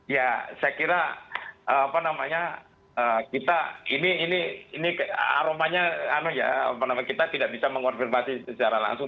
ya saya kira apa namanya kita ini ini ini aromanya apa namanya kita tidak bisa mengonfirmasi secara langsung